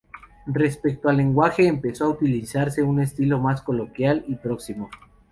Respecto al lenguaje, empezó a utilizarse un estilo más coloquial y próximo.